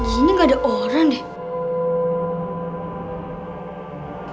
bisa ga ada orang di sini